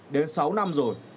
đến sáu năm rồi